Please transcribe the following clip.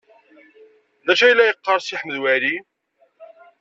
D acu ay la yeqqar Si Ḥmed Waɛli?